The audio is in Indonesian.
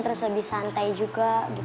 terus lebih santai juga